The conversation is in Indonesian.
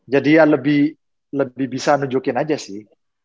jadi ya lebih bisa nunjukin aja sih